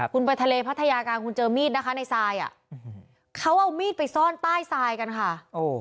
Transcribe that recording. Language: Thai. คุณไปทะเลพัทยาการคุณเจอมีดนะคะในทรายอ่ะเขาเอามีดไปซ่อนใต้ทรายกันค่ะ